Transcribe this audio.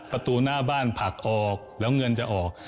ประตูหน้าบ้านผลักออกแล้วเงินจะออก